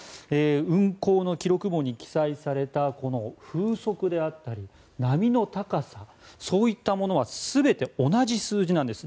運航の記録簿に記載された風速であったり波の高さ、そういったものは全て同じ数字なんです。